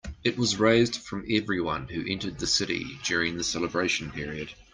It was raised from everyone who entered the city during the celebration period.